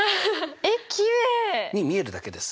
えっきれい！に見えるだけです。